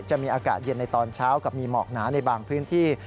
จะมีอากาศเย็นในตอนเช้ากับมีหมอกหนาในบางพื้นที่